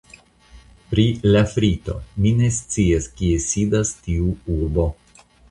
Pri Lafrito, mi ne scias kie sidas tiu urbo.